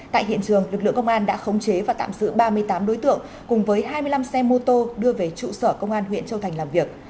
tại hiện trường lực lượng công an đã khống chế và tạm giữ ba mươi tám đối tượng cùng với hai mươi năm xe mô tô đưa về trụ sở công an huyện châu thành làm việc